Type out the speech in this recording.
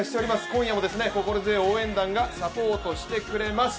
今夜も心強い応援団がサポートしてくれます。